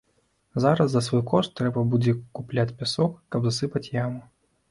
Зараз за свой кошт трэба будзе купляць пясок, каб засыпаць яму.